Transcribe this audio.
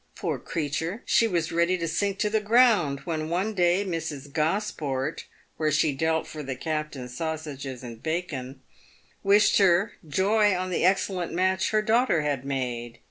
Poor creature, she was ready to sink to the ground when, one day, Mrs. Gosport (where she dealt for the captain's sausages, bacon, &c.) wished her joy on the excellent match her daughter had made.